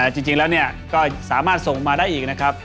จริงแล้วก็สามารถส่งมาได้อีกนะครับ